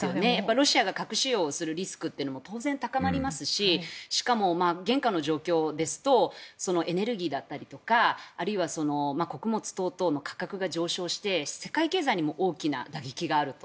ロシアが核使用するリスクも当然高まりますししかも現下の状況ですとエネルギーだったりとかあるいは穀物などの価格が上昇して世界経済にも大きな打撃があると。